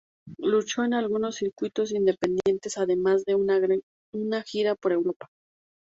Luchó en algunos circuitos independientes, además de una gira por Europa.